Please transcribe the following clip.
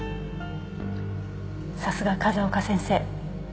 さすが風丘先生。